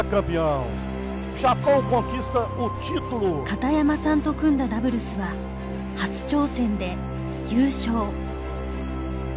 片山さんと組んだダブルスは初挑戦で優勝。